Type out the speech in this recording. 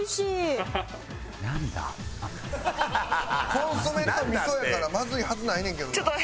コンソメと味噌やからまずいはずないねんけどな。